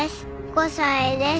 ５歳です。